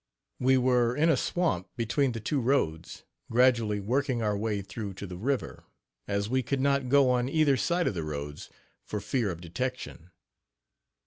We were in a swamp between the two roads, gradually working our way through to the river, as we could not go on either of the roads for fear of detection.